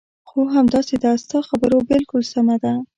هو، همداسې ده، ستا خبره بالکل سمه ده.